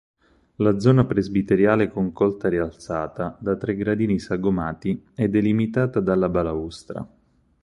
La zona presbiteriale con coltarialzata da tre gradini sagomati e delimitata dalla balaustra.